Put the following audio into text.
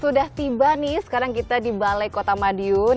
sudah tiba nih sekarang kita di balai kota madiun